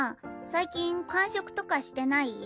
最近間食とかしてない？